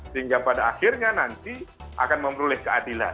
sehingga pada akhirnya nanti akan memperoleh keadilan